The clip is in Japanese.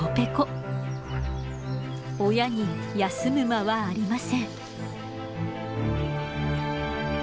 親に休む間はありません。